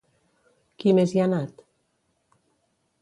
Qui més hi ha anat?